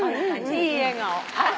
いい笑顔。